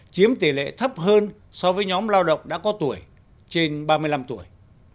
chiếm tỷ lệ thấp hơn so với nhóm lao động đã có tuổi trên ba mươi năm tuổi